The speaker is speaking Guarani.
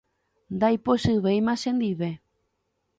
ndaipochyvéima chendive